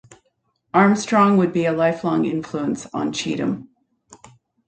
Armstrong would be a lifelong influence on Cheatham.